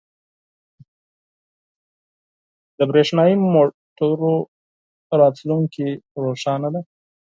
• د برېښنايی موټرو راتلونکې روښانه ده.